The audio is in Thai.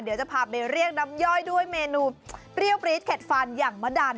เดี๋ยวจะพาไปเรียกน้ำย่อยด้วยเมนูเปรี้ยวปรี๊ดเด็ดฟันอย่างมะดัน